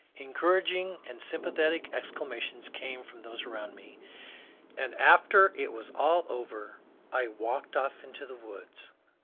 Encouraging and sympathetic exclamations came from those around me ; and after it was all over I walked off into the woods.